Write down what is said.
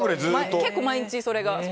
結構、毎日それが。